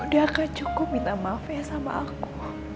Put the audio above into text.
udah gak cukup minta maaf ya sama aku